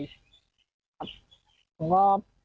ครับผมก็